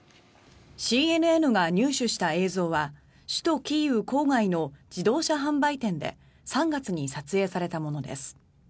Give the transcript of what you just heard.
ＣＮＮが入手した映像は首都キーウ郊外の自動車販売店で３月に撮影されたものです。